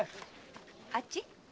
あっち？